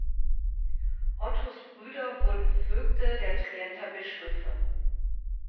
Ottos Brüder wurden Vögte der Trienter Bischöfe.